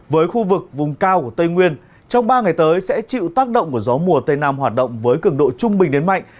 với khu vực vùng cao của tây nguyên trong ba ngày tới sẽ chịu tác động của gió mùa tây nam hoạt động với cường độ trung bình đến mạnh